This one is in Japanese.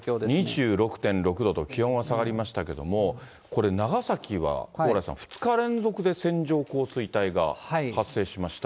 ２６．６度と気温は下がりましたけれども、これ、長崎は蓬莱さん、２日連続で線状降水帯が発生しました。